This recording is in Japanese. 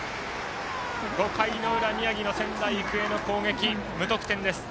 ５回の裏、宮城の仙台育英の攻撃無得点です。